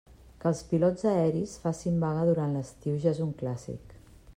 Que els pilots aeris facin vaga durant l'estiu, ja és un clàssic.